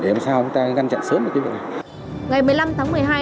để làm sao chúng ta găn chặn sớm được cái vấn đề này